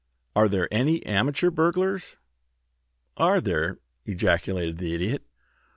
"Are there any amateur burglars?" "Are there!" ejaculated the Idiot.